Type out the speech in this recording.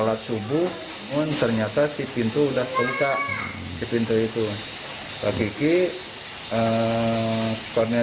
akhirnya pelaku pencuri motor yang tersebut tidak bisa keluar rumah